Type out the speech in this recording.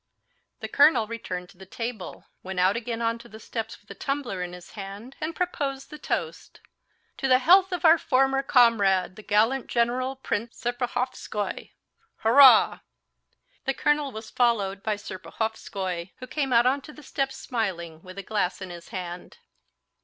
The colonel returned to the table, went out again onto the steps with a tumbler in his hand, and proposed the toast, "To the health of our former comrade, the gallant general, Prince Serpuhovskoy. Hurrah!" The colonel was followed by Serpuhovskoy, who came out onto the steps smiling, with a glass in his hand.